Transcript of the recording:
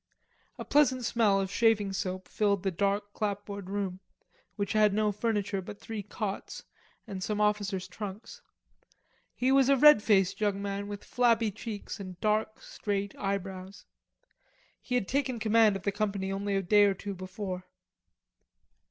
A pleasant smell of shaving soap filled the dark clapboard room, which had no furniture but three cots and some officers' trunks. He was a red faced young man with flabby cheeks and dark straight eyebrows. He had taken command of the company only a day or two before.